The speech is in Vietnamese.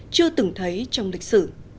chưa từng thấy trong lịch sử